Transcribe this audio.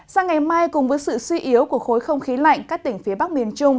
sang ngày mai cùng với sự suy yếu của khối không khí lạnh các tỉnh phía bắc miền trung